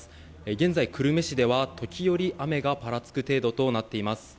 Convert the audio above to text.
現在、久留米市では時折雨がぱらつく程度となっています。